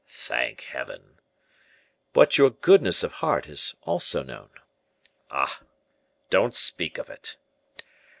"Thank Heaven!" "But your goodness of heart is also known." "Ah! don't speak of it!"